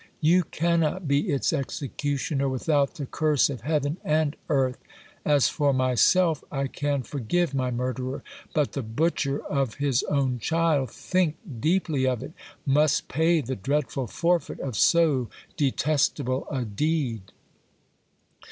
You cannot be its executioner without the curse of heaven and earth. As for myself, I can for give my murderer ; but the butcher of his own child, think deeply of it, must pay the dreadful forfeit of so detestable a deed.